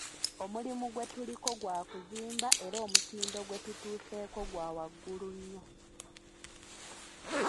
Omulimu gwetuliko gwa kuzimba era omutindo gwe tutuuseeko gwa waggulu nnyo.